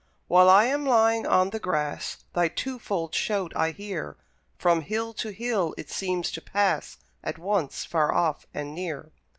While I am lying on the grass Thy twofold shout I hear; From hill to hill it seems to pass, At once far off, and near.